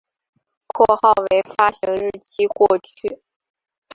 括号为发行日期过去